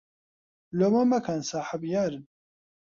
لۆمە مەکەن ساحەب یارن